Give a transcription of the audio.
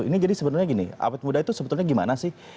ini jadi sebenarnya gini awet muda itu sebetulnya gimana sih